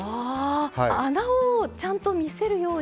穴をちゃんと見せるように。